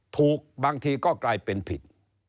บางทีก็กลายเป็นผิด